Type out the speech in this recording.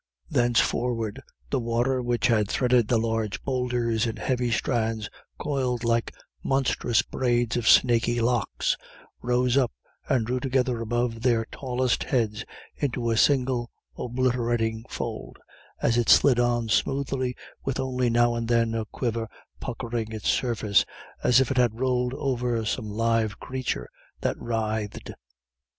Thenceforward the water which had threaded the large boulders in heavy strands coiled like monstrous braids of snaky locks, rose up and drew together above their tallest heads into a single obliterating fold, as it slid on smoothly with only now and then a quiver puckering its surface, as if it had rolled over some live creature that writhed.